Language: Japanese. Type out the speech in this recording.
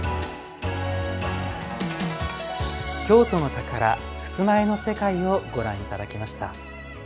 「京都の宝・襖絵の世界」をご覧いただきました。